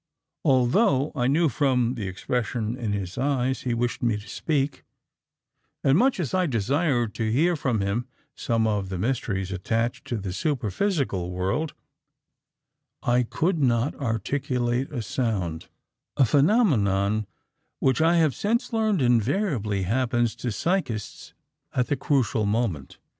"Although I knew from the expression in his eyes he wished me to speak, and much as I desired to hear from him some of the mysteries attached to the superphysical world, I could not articulate a sound (a phenomenon which I have since learned invariably happens to psychists at the crucial moment).